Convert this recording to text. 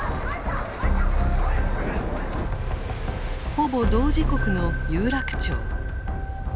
ほぼ同時刻の有楽町。